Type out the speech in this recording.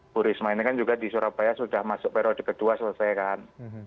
bu risma ini kan juga di surabaya sudah masuk periode kedua selesai kan